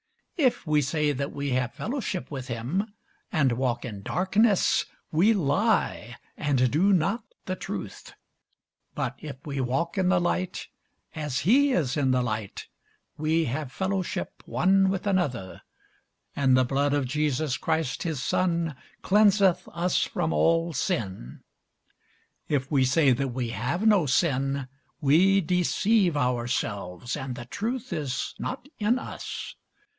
If we say that we have fellowship with him, and walk in darkness, we lie, and do not the truth: but if we walk in the light, as he is in the light, we have fellowship one with another, and the blood of Jesus Christ his Son cleanseth us from all sin. If we say that we have no sin, we deceive ourselves, and the truth is not in us.